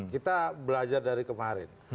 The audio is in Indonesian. kita belajar dari kemarin